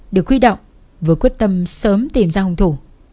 được khuy động với quyết tâm sớm tìm ra hùng thủ